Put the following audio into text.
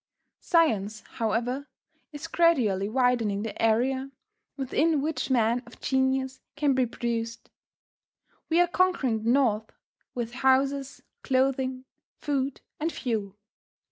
Science, however, is gradually widening the area within which men of genius can be produced. We are conquering the north with houses, clothing, food and fuel.